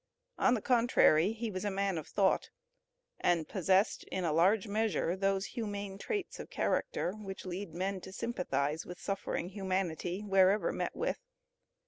On the contrary, he was a man of thought, and possessed, in a large measure, those humane traits of character which lead men to sympathize with suffering humanity wherever met with.